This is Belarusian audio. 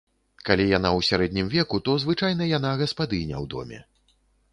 Калі яна ў сярэднім веку, то звычайна яна гаспадыня ў доме.